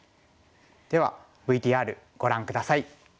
ではＶＴＲご覧下さい。